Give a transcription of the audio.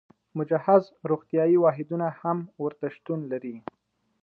مجهز روغتیايي واحدونه هم ورته شتون لري.